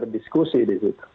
diskusi di situ